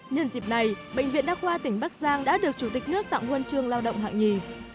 nhân dịp này bệnh viện đa khoa tỉnh bắc giang đã được chủ tịch nước tạo nguồn trường lao động hạng nhì